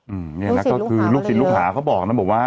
อืมเนี่ยนะก็คือลูกศิลปลูกหาเขาบอกนะบอกว่า